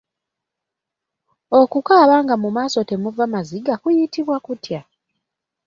Okukaaba nga mu maaso temuva maziga kuyitibwa kutya?